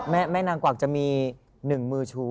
แม่แนน็องเกวักจะมีนิ่งมือชู้